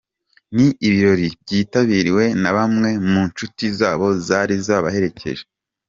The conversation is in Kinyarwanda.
Ni ibirori byitabiriwe na bamwe mu nshuti zabo zari zabaherekeje.